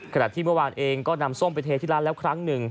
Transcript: ขณะที่เมื่อวานเองก็นำส้มไปเทที่ร้านแล้วครั้งหนึ่ง